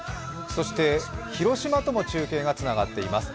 そして、広島とも中継がつながっています。